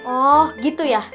oh gitu ya